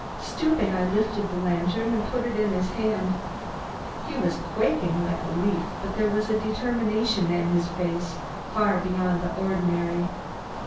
Stooping, I lifted the lantern and put it in his hand. He was quaking like a leaf, but there was a determination in his face far beyond the ordinary.